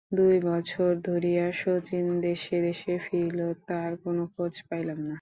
দুই বছর ধরিয়া শচীশ দেশে দেশে ফিরিল, তার কোনো খোঁজ পাইলাম না।